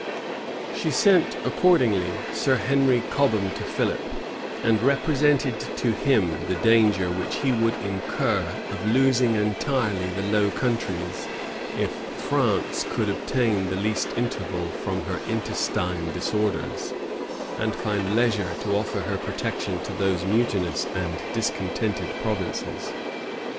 She sent accordingly Sir Henry Cobham to Philip; and represented to him the danger which he would incur of losing entirely the Low Countries, if France could obtain the least interval from her intestine disorders, and find leisure to offer her protection to those mutinous and discontented provinces.